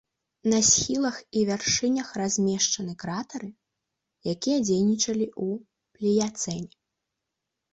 На схілах і вяршынях размешчаны кратары, якія дзейнічалі ў пліяцэне.